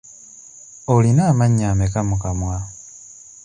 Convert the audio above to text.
Olina amannyo ameka mu kwamwa?